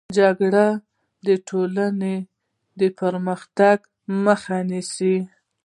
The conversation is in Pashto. جګړه د ټولني د پرمختګ مخه نيسي.